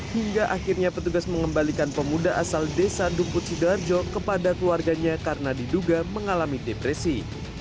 hingga akhirnya petugas mengembalikan pemuda asal desa dukut sidoarjo kepada keluarganya karena diduga mengalami depresi